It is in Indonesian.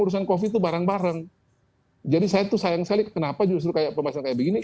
urusan covid itu barang barang jadi saya tuh sayang sekali kenapa justru pembahasan kayak begini